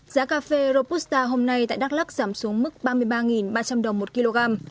giá cà phê robusta hôm nay tại đắk lắc giảm xuống mức ba mươi ba ba trăm linh đồng một kg